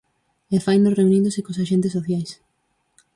E faino reuníndose cos axentes sociais.